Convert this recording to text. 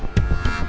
saya mau ke rumah